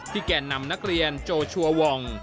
แก่นำนักเรียนโจชัวร์วอง